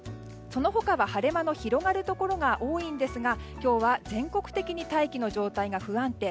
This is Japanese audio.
その他は晴れ間の広がるところが多いんですが今日は全国的に大気の状態が不安定。